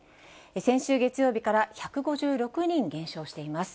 先週月曜日から１５６人減少しています。